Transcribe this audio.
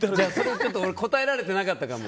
応えられてなかったかも。